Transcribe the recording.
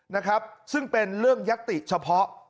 นะครับซึ่งเป็นเรื่องยัตติเฉพาะ